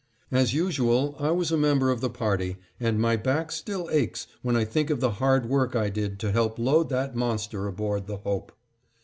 As usual I was a member of the party, and my back still aches when I think of the hard work I did to help load that monster aboard the Hope.